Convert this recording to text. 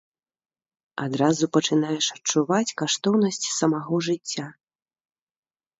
Адразу пачынаеш адчуваць каштоўнасць самога жыцця.